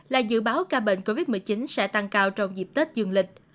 là dự báo ca bệnh covid một mươi chín sẽ tăng cao trong dịp tết dương lịch